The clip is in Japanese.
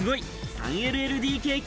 ３ＬＬＤＫＫ